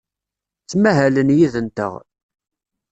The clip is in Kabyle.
Ttmahalen yid-nteɣ.